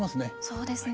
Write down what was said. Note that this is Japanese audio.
そうですね。